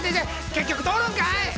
結局通るんかい！